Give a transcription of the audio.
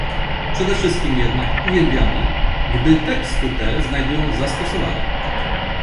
Przede wszystkim jednak uwielbiamy, gdy teksty te znajdują zastosowanie